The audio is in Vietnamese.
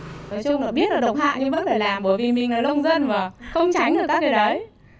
nói chung là biết là độc hại nhưng vẫn phải làm bởi vì mình là nông dân mà không tránh được các cái đấy